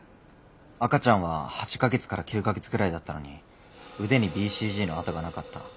赤ちゃんは８か月から９か月くらいだったのに腕にＢＣＧの痕がなかった。